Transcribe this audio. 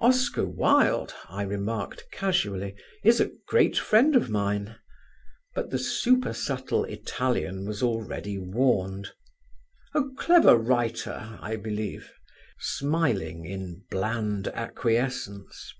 "Oscar Wilde," I remarked casually, "is a great friend of mine," but the super subtle Italian was already warned. "A clever writer, I believe," he said, smiling in bland acquiescence.